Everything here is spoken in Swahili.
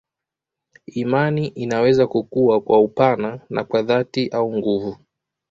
Imani inaweza kukua kwa upana na kwa dhati au nguvu.